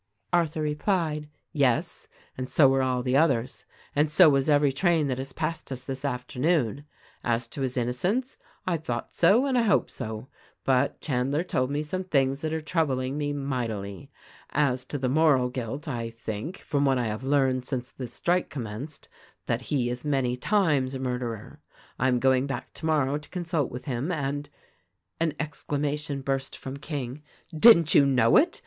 Arthur replied : "Yes ; and so were all the others ; and so was every train that has passed us this afternoon. As to his innocence, I thought so and I hope so ; but Chandler told me some things that are troubling me mightily. As to the moral guilt I think, from what I have learned since this strike com menced, that he is many times a murderer. I am going back tomorrow to consult with him, and " An exclamation burst from King: "Didn't you know it!